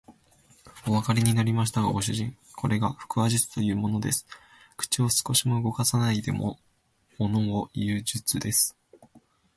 おわかりになりましたか、ご主人。これが腹話術というものです。口を少しも動かさないでものをいう術です。